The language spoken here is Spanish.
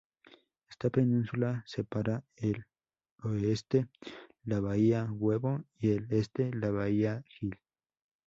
Esta península separa, al oeste la bahía Huevo, y al este la bahía Gil.